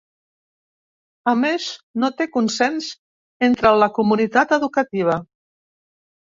A més, no té consens entre la comunitat educativa.